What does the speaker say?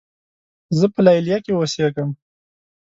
زۀ په لیلیه کې اوسېږم.